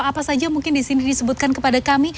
apa saja mungkin disini disebutkan kepada kami